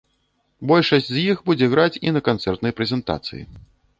Большасць з іх будзе граць і на канцэртнай прэзентацыі.